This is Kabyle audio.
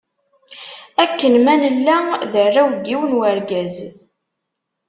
Akken ma nella, d arraw n yiwen n wergaz.